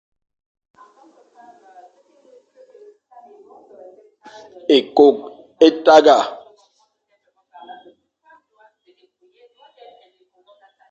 Ékôkh é tagha.